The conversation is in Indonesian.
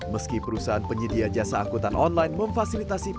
meski perusahaan penyedia jasa akutan online memfasilitasi perlengkapan